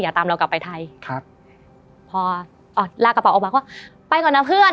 ตามเรากลับไปไทยครับพอลากระเป๋าออกมาก็ไปก่อนนะเพื่อน